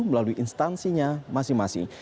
melalui instansinya masing masing